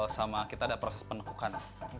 sama kita ada proses penekukan